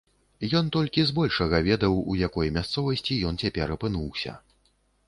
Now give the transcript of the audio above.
Ён толькі збольшага ведаў, у якой мясцовасці ён цяпер апынуўся.